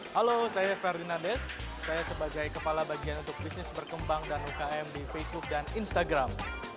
halo saya ferdinandes saya sebagai kepala bagian untuk bisnis berkembang dan ukm di facebook dan instagram